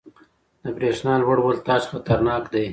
• د برېښنا لوړ ولټاژ خطرناک دی.